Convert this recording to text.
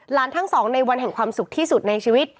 ทั้งสองในวันแห่งความสุขที่สุดในชีวิต